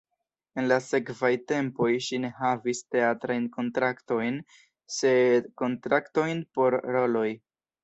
En la sekvaj tempoj ŝi ne havis teatrajn kontraktojn, sed kontraktojn por roloj.